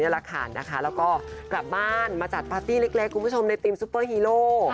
แล้วก็กลับบ้านมาจัดปาร์ตี้เล็กคุณผู้ชมในทีมซุปเปอร์ฮีโร่